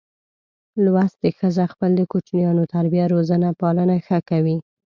لوستي ښځه خپل د کوچینیانو تربیه روزنه پالنه ښه کوي.